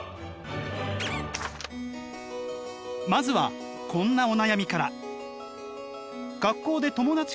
まずはこんなお悩みから。